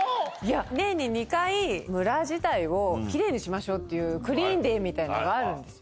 年に２回、村自体をきれいにしましょうっていう、クリーンデーみたいのがあるんです。